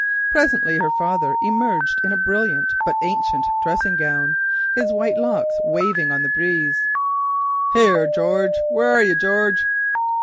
Presently her father emerged in a brilliant but ancient dressing gown, his white locks waving on the breeze. "Here, George, where are you, George?"